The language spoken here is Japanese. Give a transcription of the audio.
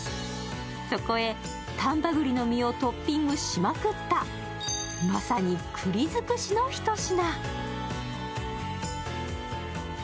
そこへ丹波栗の実をトッピングしまくったまさにくりづくしの一品。